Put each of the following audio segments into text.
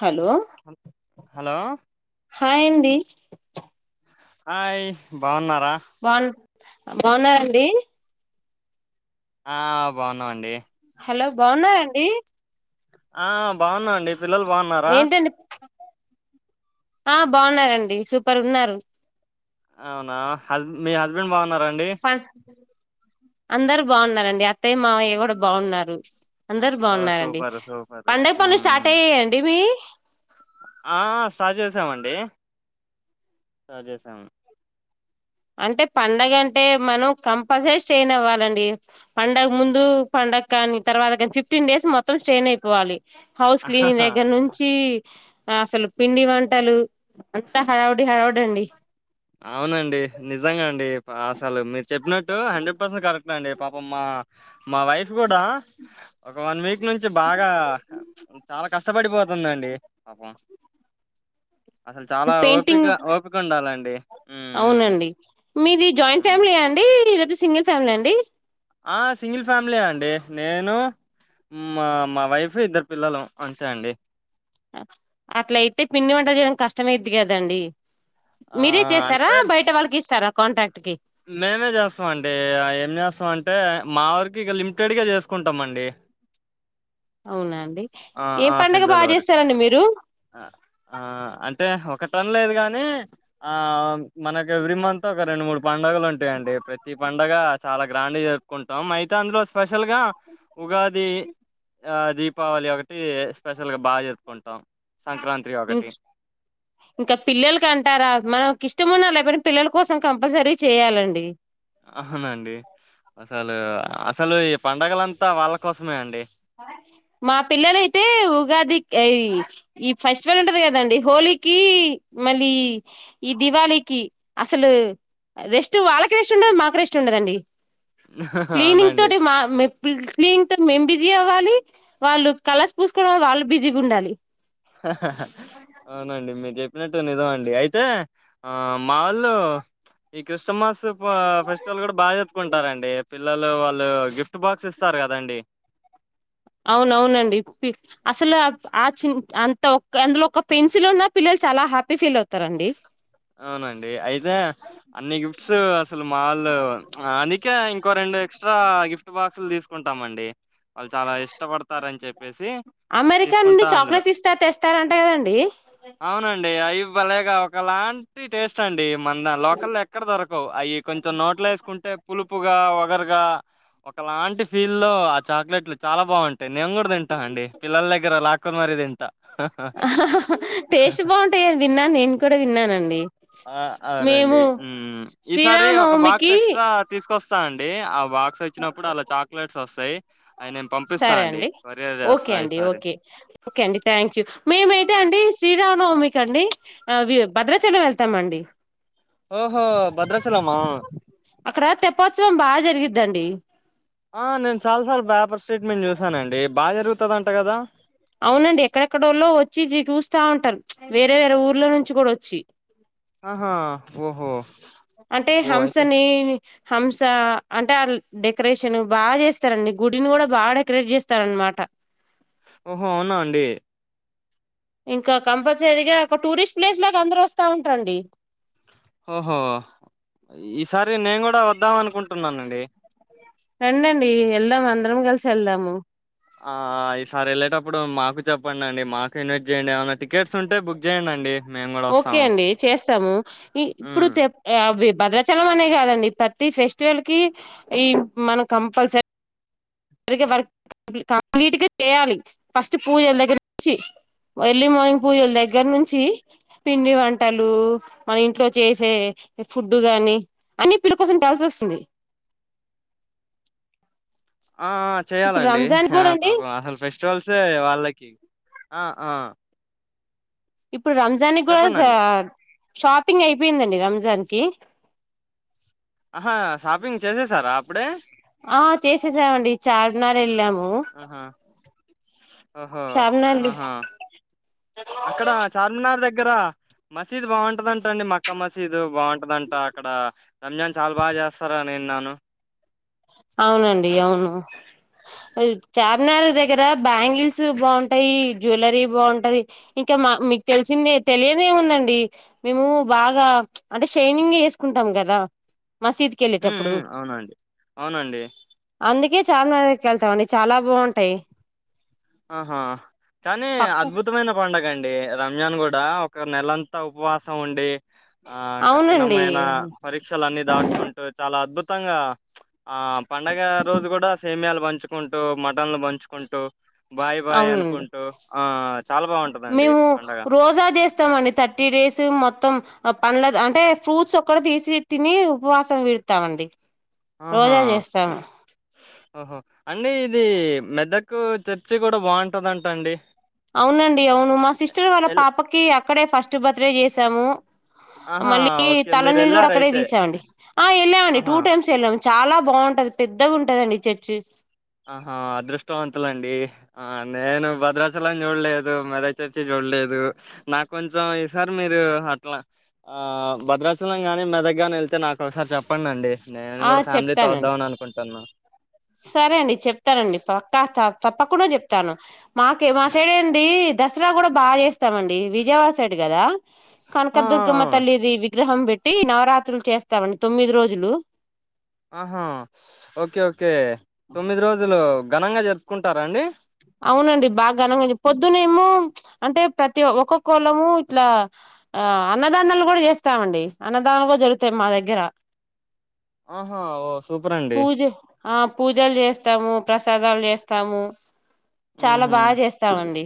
Hello hello hi అండి ఆయ్ బాగున్నారు బాగు బాగుంనరా అండి ఆహ్ భాగున్నంమంది హలో బాగున్నారాండి ఆహ్ బాగున్నా అండి పిల్లలు బాగున్నారా ఏంటండి ఆ బాగున్నారండి సూపర్ ఉన్నారు అవునా హస్ మీ హస్బెండ్ బాగున్నడ ప అందరు బాగున్నారండి అత్తయ్య మావయ్య కూడా బాగున్నారు అందరు ఓ బాగున్నారండి సూపర్ సూపర్ పడుగ పనులు స్టార్ట్ అయ్యాయ అండి మీవి ఆహ్ స్టార్ట్ చేసామండి స్టార్ట్ చేసాం అంటే పండగ అంటే మను కంపల్సరీ స్టెయిన్ అవ్వాలంది పండగ ముందు పన్ డకాని తర్వాత కానీ ఫిఫ్టీన్ డేస్ మొత్తం స్టెయిన్ అయిపోవాలి హౌస్ క్లీనింగ్ ఆహాహా. దగ్గర నుంచి అసలు పిండి వంటలు అంతా హడావిడి హడావిడి అండి అవునండి నిజంగా అండి అసలు మీరు చెప్పినట్టు హండ్రెడ్ పస్ కరె అండి పాపం మా మా వైఫ్ కూడా ఒక వన్ వీక్ వన్ వీక్ నుంచి బాగా చాలా కష్టపడిపోతుందండి పాపం అసల్ చాలా ఓపిగ పెయింటింగ్ ఓపిక ఉండాలండి మ్మ్ మ్మ్ అవునండి మీది జాయింట్ మ్మ్ ఫ్యామిలీయా అండి లేకపోతే సింగిల్ ఫ్యామిలియా అండి ఆహ్ సింగిల్ ఫ్యామిలీయే అండి నేను మా మా వైఫ్ ఇద్దరం పిల్లలు అంతే అండి అట్లయితే పిండి వంటలు చేయడం కష్టమైది కదండి ఆ మీరే చేస్తారా అంటే బయట వాళ్ళకి ఇస్తారా కాంట్రాక్ట్ కి మేమే చేస్తామ అండి ఏనీ చేస్తాం అంటే మా వరకు ఇంకా లిమిటెడ్గా చేసుకుంటాం అండి అవునా ఆహ్ ఏం ఆహ్ పండగ పిల్లల బాగా వరకు చేస్తారండి మీరు ఆ ఆహ్ అంటే ఓహో ఒక టన్ లేదు గాని ఆ మనకు ఎవ్రీ మంత్ ఒక రెండు మూడు పండుగలు ఉంటాయండి ప్రతి పండగ చాలా గ్రాండ్ జరుపుకుంటాం అయితే అందులోస్ స్పెషల్ గా ఉగాది ఆ దీపావళి ఏవైతే స్పెషల్ గా బా జరుపుకుంటాం సంక్రాంతి ఇం ఒకటి ఇంకా పిల్లలకి అంటారా మనకి ఇష్టం ఉన్నా లేకపోయినా పిల్లల కోసం కంపల్సరీ చేయాలండి ఆహానండి అసలు అసలు ఈ పండగలంతా వాళ్ళ కోసమే అండి మా పిల్లలయితే ఉగాది ఏయ్ ఈ ఫెస్టివల్ ఉంటది కదండి హోలీ కి మళ్ళీ ఈ దివాళికి అసలు రెస్ట్ వాళ్ళకి రెస్ట్ ఉండదు మాక్ రెస్ట్ ఉండదండి క్లీనింగ్ అవునండి. తోటి మా మే ఫిల్స క్లీనింగ్ తో మేం బిజ్ జీ అవ్వాలి వాళ్ళు కలర్ పూసుకోవడంలో వాళ్ళు బిజీగా ఉండాలి అహాఆహా అవునండి మీర్ చెప్ నేట్టు నిజం అండి అయితే ఆ మా ఒళ్ళు ఈ క్రిష్ స్మస్ ప ఫెస్టివల్ కూడా బా జరుపుకుంటారండి పిల్లలలు వాళ్ళు గిఫ్ట్ బాక్స్ ఇస్తారు కదండి అవునవునండి పి అసలు ఆ చిన్ అంత ఒక్ అందులో ఒక పెన్సిల్ ఉన్న పిల్ల్ చాలా హ్యాపీ ఫీల్ అవుతారండి అవునండి అయితే అన్ని గిఫ్ట్స్ అసల్ మాల్ అందుకే ఇంకో రెండు ఎక్స్ట్రా గిఫ్ట్ బాక్సులు తీసుకుంటాం అండి అ చాలా ఇష్టపడతారని చెప్పేసి అమెరికా నుండి తీసుకుంటా అందులో చాక్లెస్ ఇస్తా తెస్తారంటా అవునండి అయి భలేగా ఒకలాంటి టేస్ట్ అండి మన లోకల్ ఎక్కడ దొరకవు అయి కొంచెం నోట్లో వేసుకుంటే పులుపుగా వగరుగా ఒకలాంటి ఫీల్లో ఆ చాక్లెట్లు చాలా బంటాయి నేను కూడా తింటా అండి పిల్లల దగ్గర లాక్ కున్ మరి తింటా టేస్ట్ బంటాయి అన్ విన్నాను నేను కూడా విన్నానండి ఆ మేము అరండి ఈసారి ఒక బాక్స్ శ్రీరామనవమికి ఎక్స్ట్రా తీసుకొస్తా అండి అవ్ బాక్స్ వచ్చినప్పుడు అలా చాక్లెట్స్ వసై సరే అండి ఓకే అండి ఈసారి. ఓకే ఓకే అండి థ్యాంక్ యూ మీ మై అదే అండి శ్రీరామఅవమికి అండి ఆవి భద్రాచలం వెళ్తామండి ఓహో భద్రాచలమా అక్కడ తెప్పోత్సవం బాగా జరిగిద్ధండి ఆ నేను చాలాసార్లు బేపర్ స్ట్రేట్మెట్ చూసానండి బాగా జరుగుతది అంట కదా అవునండి ఎక్కడెక్కడళ్ళో వచ్చి చూస్తా ఉంటారు వేరే వేరే ఊర్ల నుంచి కూడా వచ్చి అహా ఓహో అంటే అబ్బో అయితే హంసని హంస అంటే డెకరేషన్ బాగా చేస్తారండి గుడిని కూడా బా డెకరేట్ చేస్తారన్నమాట. మాట ఓహో అవునా అండి ఇంకా కంపల్సరీగా ఒక టూరిస్ట్ ప్లేస్లోకి అందరు వస్తా ఉంటా అండి ఓహో ఈసారి నేను కూడా వద్దాం అనుకుంటున్నానండి రండండి వెళ్దాం అందరం కలిసి వెళ్దాము ప్పుడు మాకు చెప్పండి అండి మాకు ఇన్వైట్ చేయండి ఏమనా టికెట్స్ ఉంటే బుక్ చేయండి అండి మేము కూడా ఓకే వస్తాము అండి చేస్తాము ఇప్పుడు మ్మ్ చె భద్రాచలం అనే కాదండి ప్రతి ఫెస్టివల్కి ఈ మనం కంపల్సరీ సరిగ వర్క్ కంప్లీట్గా చేయాలి ఫస్ట్ పూజల దగ్గర నుంచి ఎర్లీ మార్నింగ్ పూజలు దగ్గర నుంచి పిండి వంటలు మన ఇంట్లో చేసే ఫుడ్డు గాని అన్ని పిల్ల కోసం కాల్సి వస్తుంది ఆ ఇప్పుడు చేయ్యాలండి రంజాన్ కూడా అండి పాప అసలు ఫెస్టివల్సే వాళ్ళకి ఆ ఆ ఇప్పుడు రంజాన్ కూడా సా చెప్పండండి షాపింగ్ అయిపోయిందండి రంజాన్ కి అహా షాపింగ్ చేసేసారా అప్పుడే ఆ చేసేసామండి ఈ చార్మినార్ వెళ్ళాము ఆహా ఓహో చార్మినార్ ఆహా అక్కడ చార్మినార్ దగ్గర మసీదు బాగుంటదంట అండి మక్కా మసీదు బాగుంటదంట అక్కడ రంజాన్ చాలా బాగా చేస్తారని విన్నాను అవునండి అవును చార్మినార్ దగ్గర బ్యాంగిల్స్ బాగుంటాయి జువలరీ బాగుంటాయి ఇంకా మీకు తెలిసిందే తెలియదేముందండి మేము బాగా అంటే షైనింగ్ వేసుకుంటాం కదా లా హ్మ్ ఉ అవునండి అవునండి అందుకే చార్మినార్ దగ్గరకి వెళ్తామండి చాలా బాగుంటాయి ఆహా కానీ పక్క అద్భుతమైనా పండగ అండి రంజాన్ కూడా ఒక నెలంతా ఉపవాసం ఉండి ఆ అవునండి కఠినమైన పరీక్షలున్ని దాటుకుంటూ చాలా అద్భుతంగా ఆ పండగ రోజు కూడా సేమయాలు పంచుకుంటూ మటన్లు పంచుకుంటూ బాయ్ బాయ్ అవునండి అనుకుంటూ ఆ చాలా బాగుంటదండి మేము పండగ ఫేసు మొత్తం పండ్ల అంటే ఫ్రూట్స్ ఒక్కడ తీసి తిని ఉపవాసం విడతామండి ఆహా రోజా చేస్తాము ఆహో అన్నీ ఇది మెద్దకు చర్చి కూడా బాగుంటదింటండి అవునండి అవును మా సిస్టర్ వాళ్ళ పాపకి అక్కడే ఫస్ట్ బర్త్డే చేసాము ఆహా మళ్ళీ ఓకే తల మీరు నీళ్ళు కూడా వెళ్ళార అక్కడే అయితే తీసామండి ఆ వెళ్ళామండి టూ ఆహా టైమ్స్ వెళ్ళాము చాలా బాగుంటది పెద్దగా ఉంటదండి చర్చి ఆహా అదృష్టవంతులండి ఆ నేను భద్రాచలని చూడలేదు మెదా చర్చి చూడలేదు లేదు నాకు కొంచెం ఈ సార్ మీరు అట్లా భద్రాచలం కానీ మెదక్ ని వెళ్తే నాకు ఒకసారి చెప్పండిండి నేను ఆ కూడా ఫ్యామిలీ తోద్దాం చెప్తానండి అని అనుకుంటున్నా సరే అండి చెప్తానం పక్క తప్పకుండా చెప్తాను మాకే మాకేడ ఏడి దసరా కూడా బాగా చేస్తామండి విజయవాడ సైడ్ కదా ఆ ఆ కనకదుర్గమ్మ ఆ! తల్లిది విగ్రహం పెట్టీ పేట్టి నవరాత్రులు చేస్తామండి తొమ్మిది రోజులు ఆహా ఓకే ఓకే తొమ్మిది రోజులు ఘనంగా జరుపుకుంటారా అండి అవునండి బాగా ఘనంగా పొద్దునేేమో అంటే ప్రతి ఒక్కొక్కళము ఇట్లా ఆ అన్నదానాలు కూడా చేస్తామండి అన్నదానం కూడా జరుగుతాయి మా దగ్గర ఆహా ఓ సూపర్ అండి పూజ ఆ పూజలు చేస్తాము ప్రసాదాలు చేస్తాము చాలా ఉహు బాగా చేస్తాముండి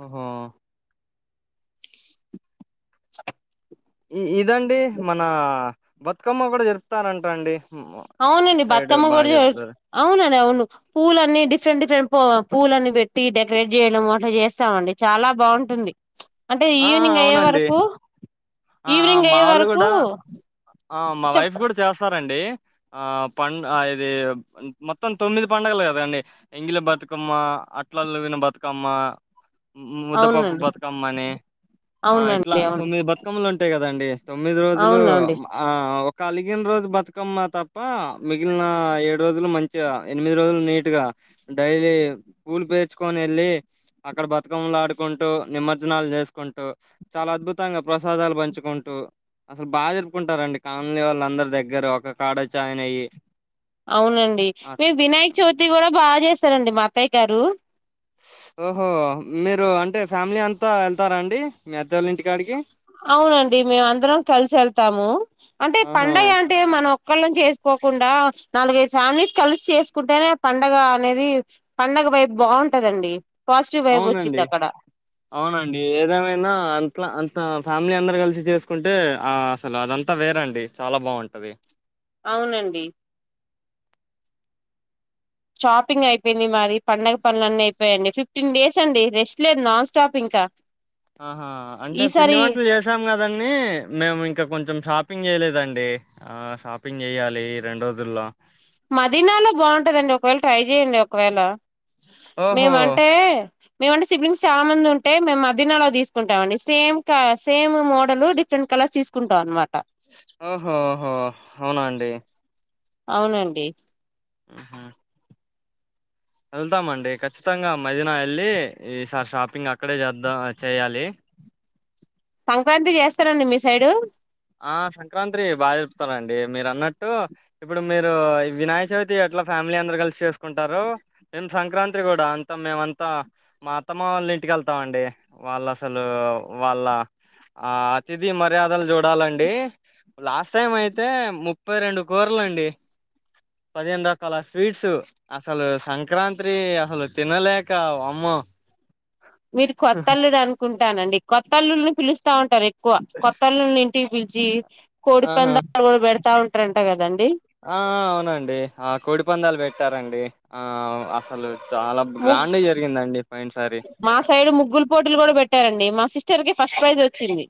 ఓహో స ఈ ఇదండి మన బతుకమ్మ కూడా జపుతారంటాండి అవునండి బత్తమ్మ కూడా అవునండి అవును పూల అన్నీ డిఫరెంట్ డిఫరెంట్ పూలను పెట్టి డెకరేట్ చేయడం అట్లా చేస్తామండి చాలా బాగుంటుంది అంటే ఆ అ ఈవినింగ్ అయ్యే అవునండి వరకు ఆ ఈవినింగ్ మా అయ్యే వాళ్ళు వరకు కూడా ఆ మా చెప్ప వైఫ్ కూడా చేస్తారండి ఆ పం అది మొత్తం తొమ్మిది పండగలు కదండి ఎంగిలి బతుకమ్మ అట్లలు విన బతుకమ్మ ముద్దపప్పు అవునండి బతుకమ్మనే ఆ ఇట్లా అవునండి అవును తొమ్మిది బతుకమ్మలు ఉంటాయి కదండి తొమ్మిది రోజులు అవునండి ఆ కలిగిన రోజు బతుకమ్మ తప్ప మిగిలిన ఏడు రోజులు మంచిగా ఎనిమిది రోజులు నీట్గ డైలీ పూలు పేర్చుకొని వెళ్ళి అక్కడ బతుకమ్మలు ఆడుకుంటూ నిమజ్జనాలు చేసుకు కుంటూ చాలా అద్భుతంగా ప్రసాదాలు పంచుకుంటూ అసలు బాగా జరుపుకుంటారంండి కాలనీ వాళ్ళ అందరు దగ్గర ఒక కాడ వచ్చి జాయిన్ అయ్యి అవునండి అట్ మేము వినాయక చవితి కూడా బాగా చేస్తారండి మాత్తయ్య గారు ఓహో మీరు అంటే ఫ్యామిలీ అంతా వెళ్తారా అండి మీ అత్త వాళ్ల ఇంటికాడికి అవునండి మేము అందరం కలిసి వెళ్తాము అంటే ఆహా పండగ అంటే మనము ఒక్కళ్ళం చేసుకోకుండా నాలుగైదు సాార్మస్ కలిసి చేసుకుంటేనే పండగ అనేది పండగ ఇ వైపు బాగుంటదండి పాజిటివ్ వైబ్ వచ్చింది అవునండి అక్కడ అవునండి ఏదేమైనా అంతలా అంత ఫ్యామిలీ అందరు కలిసి చేసుకుంటే అసలు అదంతా వేరండి చాలా బాగుంటుంది అవునండి షాపింగ్ అయిపోయింది మారి పండగ పనుడ్ల అన్నీ అయిపోయాయిడి ఫిఫ్టీన్ డేస్ అండి రెస్ట్ లేదు నాన్ స్టాప్ ఇంకా ఆహా అంటే పిండి ఈసారి వంటలు చేసాం కదండి మేము ఇంకా కొంచెం షాప్ షాపింగ్ చేయలేదండి హా షాపింగ్ చేయాలి రెండు రోజుల్లో జీవి అండి ఒకవేళ ఓహో! మేముంటే మేముంటే సిబ్లింగ్స్ చాలా మంది ఉంటే మేము మదీనలో తీసుకుంటాండి సేమ్ క సేమ్ మోడల్ డిఫరెంట్ కలర్ అలా తీసుకుంటావు అన్నమాట ఓహోహో అవునా అండి అవునండి ఆహా వెళ్తామండి ఖచ్చితంగా మదీనా వెళ్ళి ఈసారి షాపింగ్ అక్కడే చేద్దా చేయాలి సంక్రాంతి చేస్తారండి మీ సైడు ఆ సంక్రాంతి బాగా చెప్తారుండి మీరు అన్నట్టు ఇప్పుడు మీరు వినాయక చవితి అట్లా ఫ ఫ్యామిలీ అందరు కలిసి చేసుకుంటారు మేం సంక్రాంతి కూడా అంత మేమంతా మా అత్తమ్మ వాళ్ళ ఇంటికి వెళ్తాం అండి వాళ్ళు అసలు వాళ్ళ ఆ అతిథి మర్యాదలు చడ చడాలండి లాస్ట్ టైం అయితే ముప్పై రెండు కూరలుండి పదిహేను రకాల స్వీట్స్ అసలు సంక్రాంతి అసలు తినలేక అమ్మ ఆ మీరు కొత్తల్లుడు అనుకుంటానండి కొత్త అల్లుల్ని పిలుస్తా ఉంటారు ఎక్కువ కొత్తళ్లు టి పిలిచి కోడి ఆహా పందారు కూడా పెడతా ఉంటారంట కదండి ఆ అవునండి ఆ కోడి పందాలు పెట్టారండి ఆ అసలు ముగ్ గ్రైండ్ గా జరిగిందండి పోయినసారి మా సైడు ముగ్గులు పోటీలు కూడా పెట్టారండి మా సిస్టర్ కి ఫస్ట్ ప్రైజ్ వచ్చింది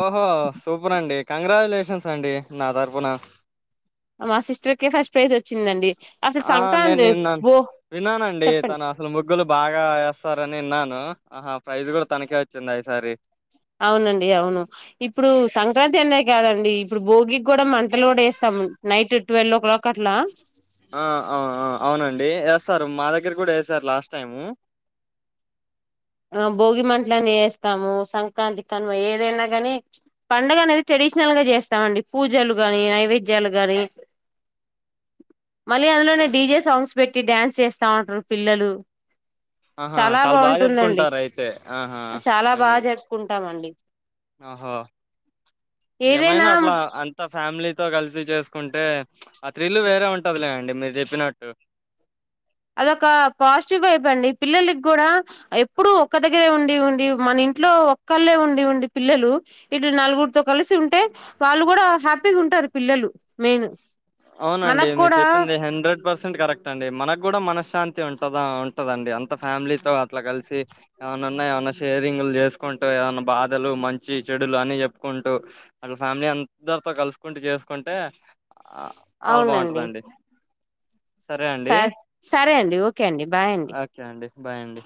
ఓహో సూపర్ అండి కంగ్రాచ్యులేషన్స్ అండి నా తరుపున మా సిస్టర్ కే ఫస్ట్ ప్రైజ్ వచ్చిందండి అసలు ఆ నేను సంక్రాంతి విన్నాను బో విన్నానండి చెప్పండి తను అసలు ముగ్గులు బాగా వేస్తారని విన్నాను ఆహా ప్రైజ్ కూడా తనఖే వచ్చింది ఈసారి అవునండి అవును ఇప్పుడు సంక్రాంతి అందరికీ కాదండి ఇప్పుడు భోగికి కూడా మంటలు కూడా వేస్తాం నైట్ ట్వెల్వ్ ఓ క్లాక్ అట్లా ఆ అ అవునండి వస్తారు మా దగ్గర దగ్గర కూడా సార్ లాస్ట్ టైము ఆ భోగి మంటలన్ని వేస్తాము సంక్రాంతి కనుమ ఏదైనా కానీ పండుగ అనేది చెడి టడిషనల్ గా చేస్తామండి పూజలు గాని నైవేద్యాలు గాని ఒ మళ్ళీ అందులోనే డీజే సాంగ్స్ పెట్టి డ్యాన్స్ చేస్తా ఉంటారు పిల్లలు ఆహా చాలా బాగా చెప్పుకుంటారు అయితే ఆహా వడి ఆహో ఏదైనా ఏమైనా అట్లా అంత ఫ్యామిలీతో డిస్ చేసుకుంటే ఆ త్రీలు వేరే ఉంటదిలే అండి మీరు చెప్పినట్టు అదొక పాజిటివ్ వైపు అండి పిల్లలకి కూడా ఎప్పుడు ఒక్క దగ్గరే ఉండి ఉండి మైండ్ ఇంట్లో ఒక్కళ్లే ఉండి ఉండి పిల్లలు ఇటు నలుగురితో కలిసి ఉంటే వాళ్ళు కూడా హ్యాపీగా ఉ టారు పిల్లలు మెయిన్ అవునండి మనకు మీరు కూడా చెప్పింది హండ్రెడ్ పర్సెంట్ కరెక్ట్ అండి మనకు కూడా మన శాంతి ఉంటదా ఉంటదండి అంత ఫ్యామిలీతో అట్లా కలిసి ఏమనా ఉన్నా ఏమన్నా షేరింగ్లు చేసుకుంట ఏదన్నా బాధలు మంచి చెడులు అని చెప్పుకుంటూ మన ఫ్యామిలీ అందరితో కలుసుకుంటూ చేసుకు కుంటే ఆహ్ చాలా అవునండి బావుంటదండి. సరే అండి సర్ సరే అండి ఓకే అండి బాయ్ అండి ఓకే అండి బాయ్ అండి